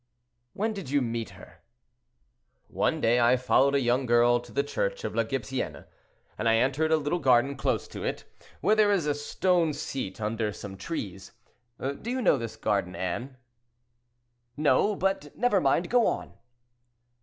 "When did you meet her?" "One day I followed a young girl to the church of La Gypecienne, and I entered a little garden close to it, where there is a stone seat under some trees. Do you know this garden, Anne?" "No; but never mind—go on."